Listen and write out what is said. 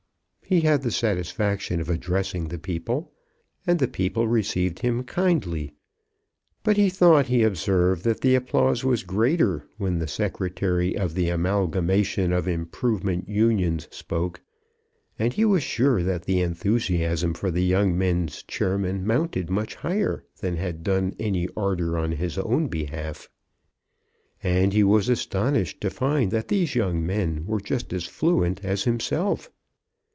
He had the satisfaction of addressing the people, and the people received him kindly. But he thought he observed that the applause was greater when the secretary of the Amalgamation of Improvement Unions spoke, and he was sure that the enthusiasm for the Young Men's chairman mounted much higher than had done any ardour on his own behalf. And he was astonished to find that these young men were just as fluent as himself.